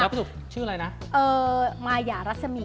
ดาวพระศุกรชื่ออะไรนะเออมายารัสมี